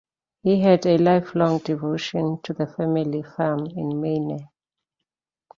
He had a lifelong devotion to the family farm in Maine.